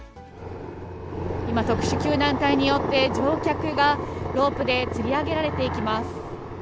今、特殊救難隊によって、乗客がロープでつり上げられていきます。